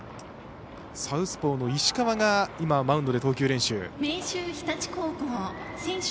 サウスポーの石川が今、マウンドで投球練習。